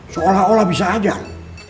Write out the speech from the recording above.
seolah olah bisa ajar